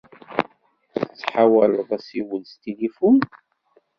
Tettḥawaleḍ asiwel s tilifun?